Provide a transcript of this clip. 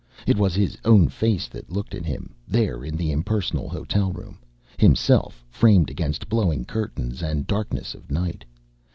It was his own face that looked at him, there in the impersonal hotel room, himself framed against blowing curtains and darkness of night.